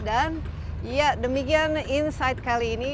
dan ya demikian insight kali ini